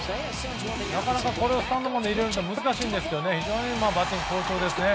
なかなか、これをスタンドまで入れるのは難しいんですけど非常に好調ですね。